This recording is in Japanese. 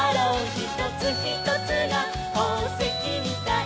「ひとつひとつがほうせきみたい」